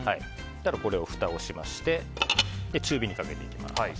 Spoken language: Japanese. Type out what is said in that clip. ふたをしまして中火にかけていきます。